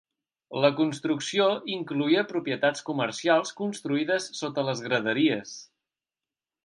La construcció incloïa propietats comercials construïdes sota les graderies.